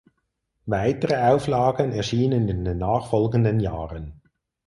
Weitere Auflagen erschienen in den nachfolgenden Jahren.